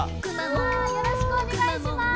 よろしくお願いします！